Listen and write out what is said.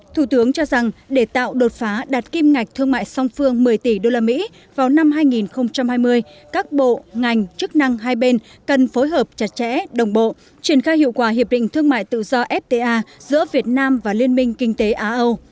thủ tướng cho rằng để tạo đột phá đạt kim ngạch thương mại song phương một mươi tỷ usd vào năm hai nghìn hai mươi các bộ ngành chức năng hai bên cần phối hợp chặt chẽ đồng bộ triển khai hiệu quả hiệp định thương mại tự do fta giữa việt nam và liên minh kinh tế á âu